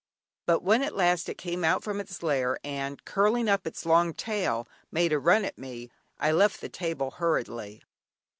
But when at last it came out from its lair, and curling up its long tail made a run at me, I left the table hurriedly.